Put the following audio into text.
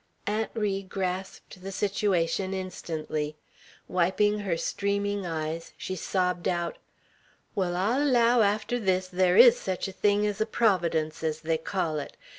Aunt Ri grasped the situation instantly. Wiping her streaming eyes, she sobbed out: "Wall, I'll allow, arter this, thar is sech a thing ez a Providence, ez they call it.